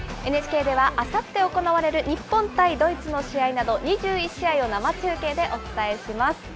ＮＨＫではあさって行われる日本対ドイツの試合など２１試合を生中継でお伝えします。